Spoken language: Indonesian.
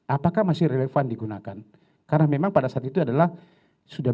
apakah masih relevan digunakan karena memang pada saat itu adalah sudah